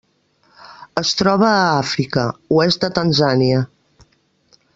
Es troba a Àfrica: oest de Tanzània.